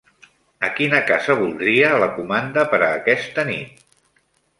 A quina casa voldria la comanda per aquesta nit?